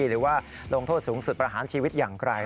หรือว่าลงโทษสูงสุดประหารชีวิตอย่างไกล